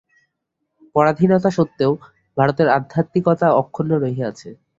পরাধীনতা সত্ত্বেও ভারতের আধ্যাত্মিকতা অক্ষুণ্ণ রহিয়াছে।